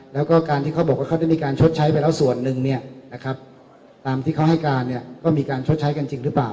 แล้วก็การที่เขาบอกว่าเขาได้มีการชดใช้ไปแล้วส่วนหนึ่งตามที่เขาให้การเนี่ยก็มีการชดใช้กันจริงหรือเปล่า